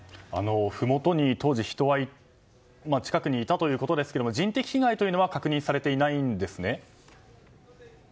ふもとに当時人が近くにいたということですが人的被害は確認されていないんですね。